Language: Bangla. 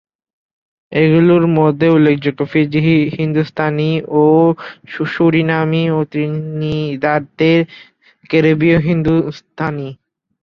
এগুলির মধ্যে উল্লেখযোগ্য ফিজি হিন্দুস্তানি ও সুরিনাম ও ত্রিনিদাদের ক্যারিবীয় হিন্দুস্তানি।